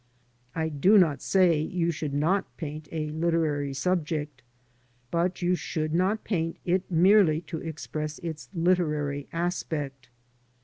I do not say you should not paint a literary subject, but you should not paint it merely to express its literary aspect.